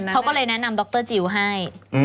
เขาก็เลยแนะนำดรจิลให้